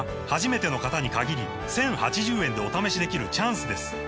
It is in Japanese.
初めての方に限り１０８０円でお試しできるチャンスです